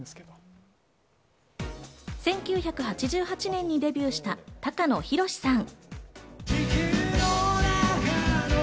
１９８８年にデビューした高野寛さん。